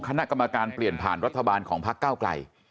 คณะกรรมการเปลี่ยนผ่านรัฐบาลของพักเก้าไกล